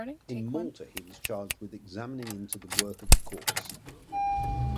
In Malta he was charged with examining into the work of the Courts.